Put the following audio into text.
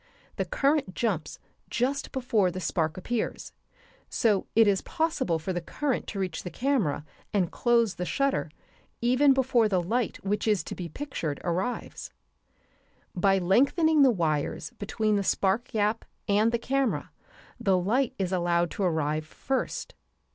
The current jumps just before the spark appears; so it is possible for the current to reach the camera and close the shutter even before the light which is to be pictured arrives. By lengthening the wires between the spark gap and the camera the light is allowed to arrive first.